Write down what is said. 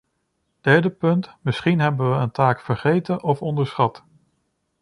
Derde punt: misschien hebben we een taak vergeten of onderschat.